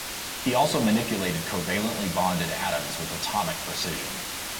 He also manipulated covalently bonded atoms with atomic precision.